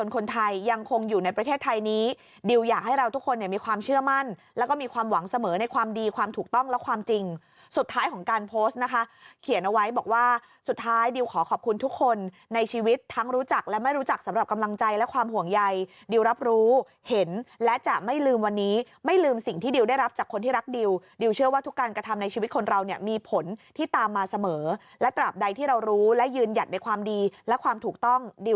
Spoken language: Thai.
เขียนเอาไว้บอกว่าสุดท้ายดิวขอขอบคุณทุกคนในชีวิตทั้งรู้จักและไม่รู้จักสำหรับกำลังใจและความห่วงใยดิวรับรู้เห็นและจะไม่ลืมวันนี้ไม่ลืมสิ่งที่ดิวได้รับจากคนที่รักดิวดิวเชื่อว่าทุกการกระทำในชีวิตคนเราเนี่ยมีผลที่ตามมาเสมอและตราบใดที่เรารู้และยืนหยัดในความดีและความถูกต้องดิ